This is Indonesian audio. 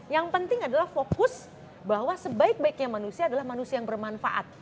yang penting adalah fokus bahwa sebaik baiknya manusia adalah manusia yang bermanfaat